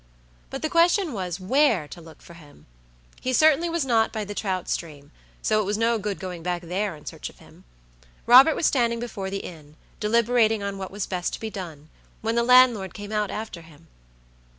But the question was where to look for him. He certainly was not by the trout stream, so it was no good going back there in search of him. Robert was standing before the inn, deliberating on what was best to be done, when the landlord came out after him.